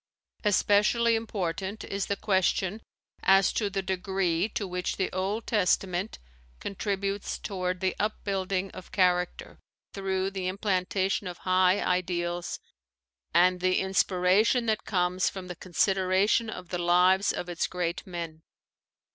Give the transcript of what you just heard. Especially important is the question as to the degree to which the Old Testament contributes toward the upbuilding of character through the implantation of high ideals and the inspiration that comes from the con sideration of the lives of its great men.